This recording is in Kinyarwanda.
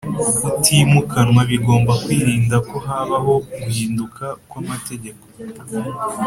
utimukanwa bigomba kwirinda ko habaho guhinduka kw amategeko